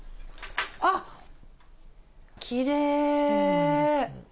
あっきれい！